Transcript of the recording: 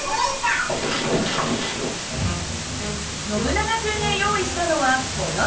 ノブナガ君が用意したのはこの装置。